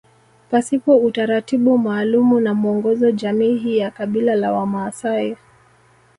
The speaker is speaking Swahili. Pasipo utaratibu maalumu na mwongozo jamii hii ya kabila la wamaasai